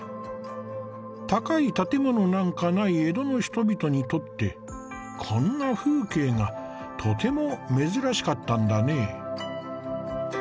高い建物なんかない江戸の人々にとってこんな風景がとても珍しかったんだね。